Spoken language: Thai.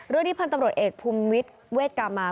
เรื่องดี้พันธุ์ตำรวจเอกภูมิเวทกลามมา